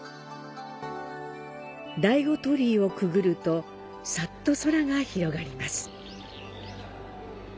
第五鳥居をくぐるとさっと空が広がります。